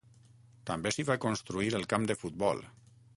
També s'hi va construir el camp de futbol.